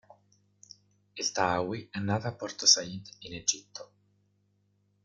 Eltahawy è nata a Porto Said in Egitto.